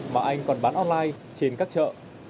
mà anh còn bán online trên các chợ